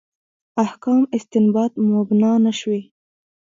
احکام استنباط مبنا نه شوي.